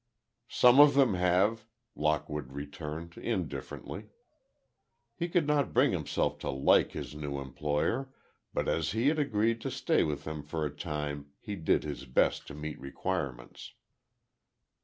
"Some of them have," Lockwood returned, indifferently. He could not bring himself to like his new employer, but as he had agreed to stay with him for a time, he did his best to meet requirements.